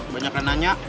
banyak yang nanya